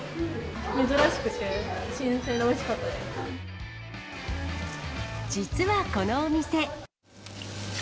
珍しくて新鮮でおいしかった実はこのお店。